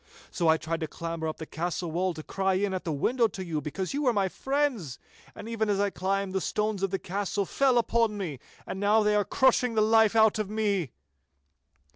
So I tried to clamber up the castle wall to cry in at the window to you, because you were my friends. And even as I climbed, the stones of the castle fell upon me, and now they are crushing the life out of me.